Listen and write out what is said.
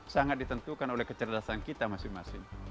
sangat ditentukan oleh kecerdasan kita masing masing